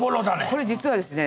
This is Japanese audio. これ実はですね